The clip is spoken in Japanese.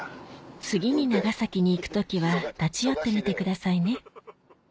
次に長崎に行く時は立ち寄ってみてくださいね